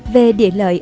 về địa lợi